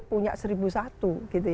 punya seribu satu